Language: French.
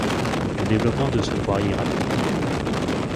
Le développement de ce poirier est rapide.